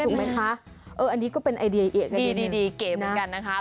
ถูกไหมคะอันนี้ก็เป็นไอเดียดีเก๋เหมือนกันนะคะ